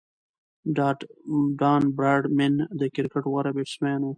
ډان براډمن د کرکټ غوره بیټسمېن وو.